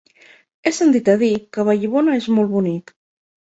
He sentit a dir que Vallibona és molt bonic.